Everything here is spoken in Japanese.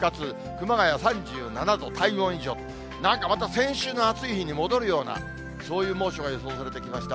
熊谷３７度、体温以上、なんかまた先週の暑い日に戻るような、そういう猛暑が予想されてきました。